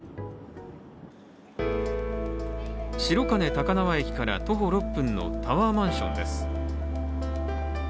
続いて向かったのは白金高輪駅から徒歩６分のタワーマンションです。